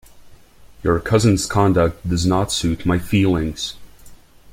Your cousin's conduct does not suit my feelings.